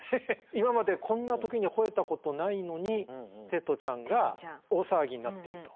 今までこんな時にほえたことないのにテトちゃんが大騒ぎになってると。